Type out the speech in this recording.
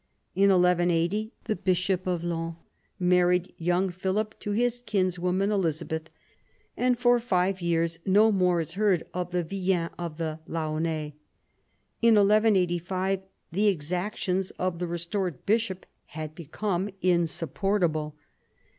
In 1180 the bishop of Laon married young Philip to his kinswoman Elizabeth, and for five years no more is heard of the villeins of the Laonnais. In 1185 the exactions of the restored bishop had become insup portable.